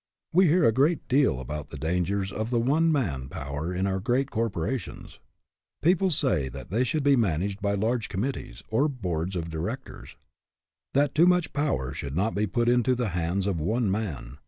We hear a great deal about the dangers of the one man power in our great corpo rations. People say that they should be managed by large committees, or boards of directors ; that too much power should not be put into the hands of one man.